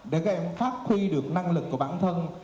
để các em phát huy được năng lực của bản thân